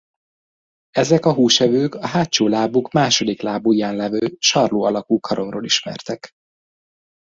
Ezek a húsevők a hátsó lábuk második lábujján levő sarló alakú karomról ismertek.